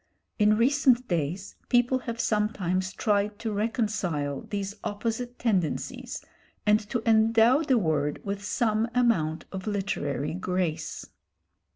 In recent days people have sometimes tried to reconcile these opposite tendencies and to endow the word with some amount of literary grace.